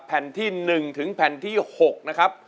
แผ่นที่๑ถึงแผ่นที่๖นะครับ